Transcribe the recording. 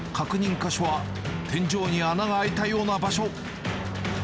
箇所は、天井に穴が空いたような場所。